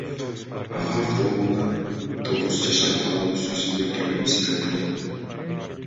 Ага автоунаа тогуз жашар баланы сүзүп өлтүргөнү себеп болгон.